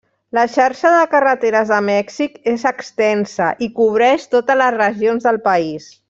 La xarxa de carreteres de Mèxic és extensa i cobreix totes les regions del país.